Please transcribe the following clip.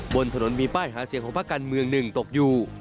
บนถนนมีป้ายหาเสียงของภาคการเมืองหนึ่งตกอยู่